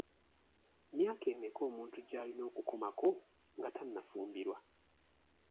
Myaka emeka omuntu gy'alina okukomako nga tannafumbirwa?